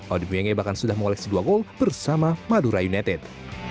odi pienge bahkan sudah mengoleksi dua gol bersama madura united